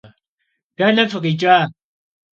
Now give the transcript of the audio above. Dene fıkhiç'a?